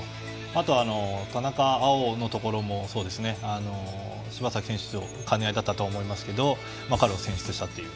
あとは、田中碧のところも柴崎選手との兼ね合いだったと思いますが彼を選出したと。